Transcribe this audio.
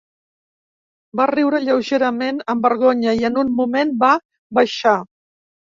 Va riure lleugerament amb vergonya, i en un moment va baixar.